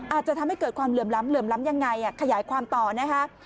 อาจจะทำให้เกิดความเหลื่อมล้ำเหลื่อมล้ำยังไงขยายความต่อนะคะ